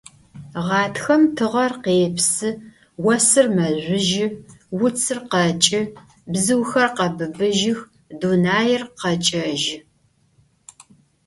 Ğatxem tığer khêpsı, vosır mezjüjı, vutsır kheç'ı, bzıuxer khebıbıjıx, dunair kheç'ejı.